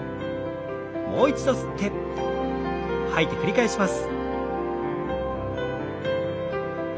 もう一度吸って吐いて繰り返します。